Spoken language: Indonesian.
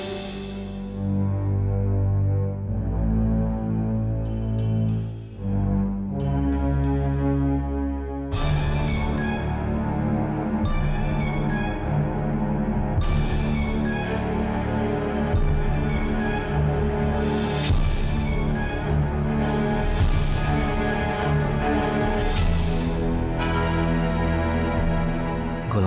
aida itu perbunuhan